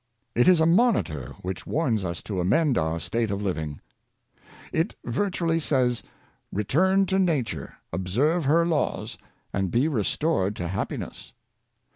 It is a monitor which warns us to amend our state of living. It virtually says, " Return to Nature, observe her laws, and be restored to happiness."